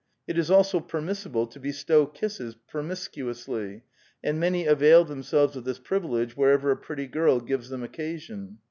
It is also permisHiblo to bestow kisf^eB promiscuously, and many avail themselves of this privilege wherever a pretty girl gives tlieni occa sion.